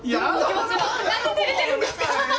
何照れてるんですか。